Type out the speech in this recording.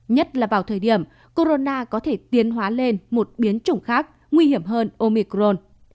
nhất là vào thời điểm corona có thể tiến hóa lên một biến chủng khác nguy hiểm hơn omicron